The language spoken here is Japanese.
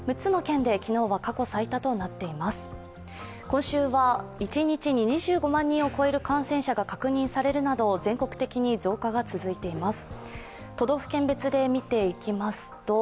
今週は一日に２５万人を超える感染者が確認されるなど確認されるなど全国的に増加が続いています。